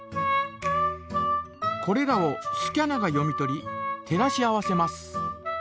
これらをスキャナが読み取り照らし合わせます。